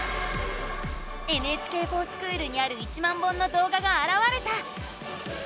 「ＮＨＫｆｏｒＳｃｈｏｏｌ」にある１万本のどうががあらわれた！